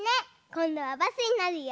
こんどはバスになるよ。